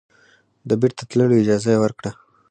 د بیرته تللو اجازه یې ورکړه.